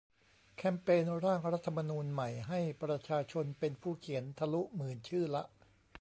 แคมเปญ "ร่างรัฐธรรมนูญใหม่ ให้ประชาชนเป็นผู้เขียน" ทะลุหมื่นชื่อละ